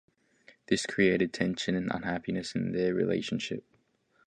This created tension and unhappiness in their relationship.